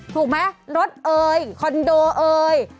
ถูกไหมรถเอ่ยคอนโดเอ่ย